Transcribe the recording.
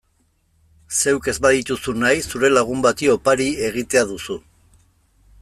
Zeuk ez badituzu nahi zure lagun bati opari egitea duzu.